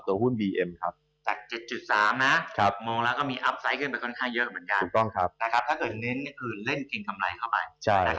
ถ้าเกิดเน้นคือเล่นเกรงคำไรเข้าไป